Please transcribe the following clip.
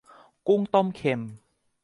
กุ้งต้มเค็ม